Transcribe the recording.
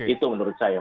itu menurut saya